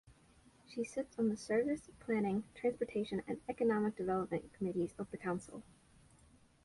She sits on the Service, Planning, Transportation and Economic Development Committees of Council.